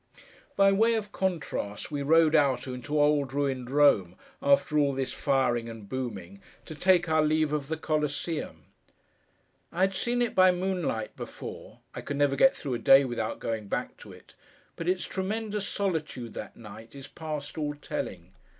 By way of contrast we rode out into old ruined Rome, after all this firing and booming, to take our leave of the Coliseum. I had seen it by moonlight before (I could never get through a day without going back to it), but its tremendous solitude that night is past all telling.